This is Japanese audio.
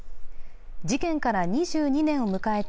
事件から２２年を迎えた